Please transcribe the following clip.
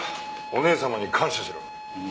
お義姉様に感謝しろ。